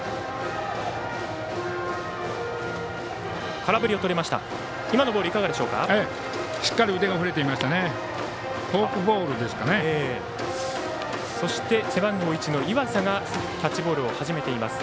空振りをとりました。